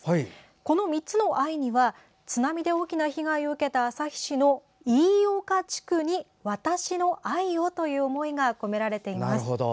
この３つの「ｉ」には津波で大きな被害を受けた旭市の「飯岡地区に、私の愛を」という思いが込められています。